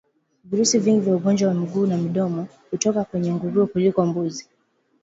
Virusi vingi vya ugonjwa wa miguu na midomo hutoka kwenye nguruwe kuliko mbuzi